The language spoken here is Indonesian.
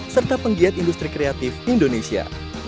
serta penggiat industri kreatif indonesia